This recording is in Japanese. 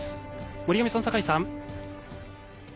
森上さん、酒井さん。